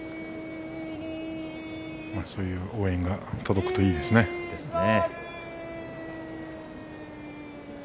そういう応援が届くといいですね。